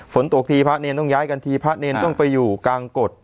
ฝนตกทีพระเนรต้องย้ายกันทีพระเนรต้องไปอยู่กลางกฎ